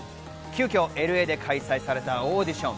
急きょＬ．Ａ．で開催されたオーディション。